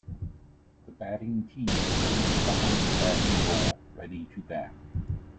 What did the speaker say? The batting team waits behind the batting goal ready to bat.